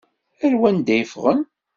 Ar wanda i ffɣen?